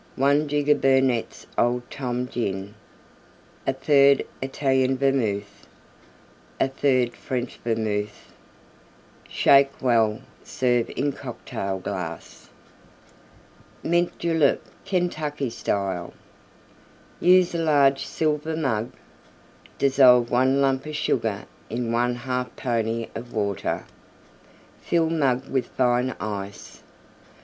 1 jigger Burnette's Old Tom Gin. 1/3 Italian Vermouth. 1/3 French Vermouth. \s+\d\d? Shake well; serve in Cocktail glass. MINT JULEP Kentucky Style Use a large Silver Mug. Dissolve one lump of Sugar in one half pony of Water. Fill mug with Fine Ice.